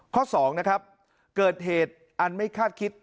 ข้อ๒นะครับเกิดเหตุอันไม่คาดคิด